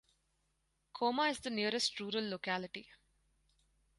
Koma is the nearest rural locality.